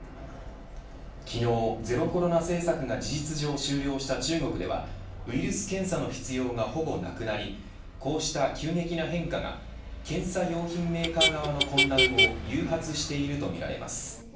昨日、ゼロコロナ政策が事実上終了した中国ではウイルス検査の必要がほぼなくなりこうした急激な変化が検査用品メーカー側の混乱を誘発しているとみられます。